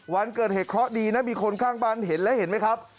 วันเกิดเหตุเคราะห์ดีนะมีคนข้างบ้านเห็นแล้วเห็นไหมครับ